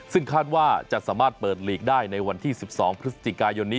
ซึ่งคาดว่าจะสามารถเปิดหลีกได้ในวันที่๑๒พฤศจิกายนนี้